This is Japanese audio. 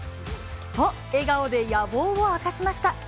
と、笑顔で野望を明かしました。